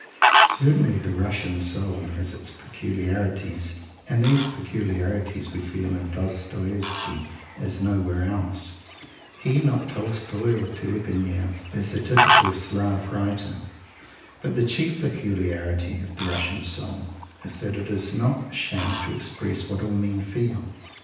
Certainly the Russian soul has its peculiarities, and these peculiarities we feel in Dostoievsky as nowhere else. He, not Tolstoi or Turgenieff, is the typical Slav writer. But the chief peculiarity of the Russian soul is that it is not ashamed to express what all men feel.